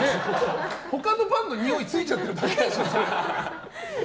他のパンのにおいがついちゃってるだけじゃん。